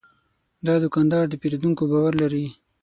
دا دوکاندار د پیرودونکو باور لري.